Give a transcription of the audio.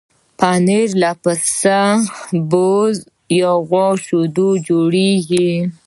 پنېر له پسه، بزه یا غوا شیدو جوړېږي.